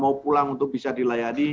mau pulang untuk bisa dilayani